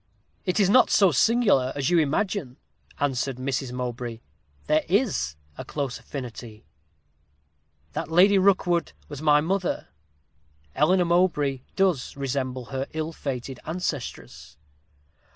'It is not so singular as you imagine,' answered Mrs. Mowbray; 'there is a close affinity. That Lady Rookwood was my mother. Eleanor Mowbray does resemble her ill fated ancestress.'